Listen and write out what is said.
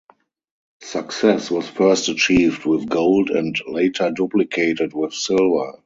Success was first achieved with gold and later duplicated with silver.